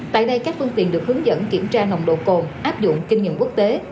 tại đây các phương tiện được hướng dẫn kiểm tra nồng độ cồn áp dụng kinh nghiệm quốc tế